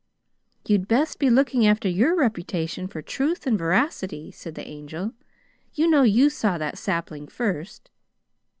"You'd best be looking after your reputation for truth and veracity," said the Angel. "You know you saw that sapling first!"